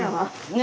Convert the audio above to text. ね